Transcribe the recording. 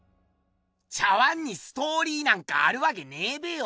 茶碗にストーリーなんかあるわけねえべよ。